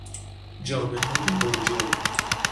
جامههای بنجل